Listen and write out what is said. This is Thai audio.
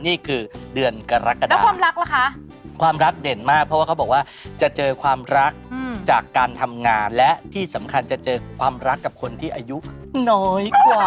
นี่คือเดือนกรกฎาแล้วความรักล่ะคะความรักเด่นมากเพราะว่าเขาบอกว่าจะเจอความรักจากการทำงานและที่สำคัญจะเจอความรักกับคนที่อายุน้อยกว่า